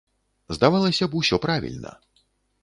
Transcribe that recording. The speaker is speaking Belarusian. Здавалася б, усё правільна.